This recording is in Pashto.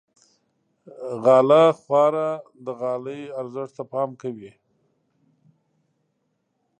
غاله خواره د غالۍ ارزښت ته پام کوي.